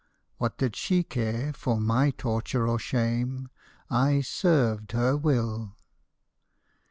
What did she care for my torture or shame ?— I served her will.